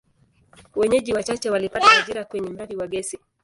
Wenyeji wachache walipata ajira kwenye mradi wa gesi.